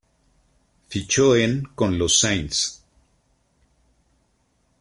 Fichó en con los St.